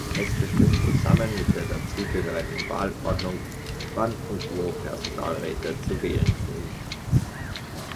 Es bestimmt zusammen mit der dazugehörigen Wahlordnung, wann und wo Personalräte zu wählen sind.